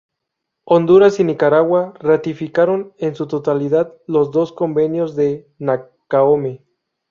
Honduras y Nicaragua ratificaron en su totalidad los dos convenios de Nacaome.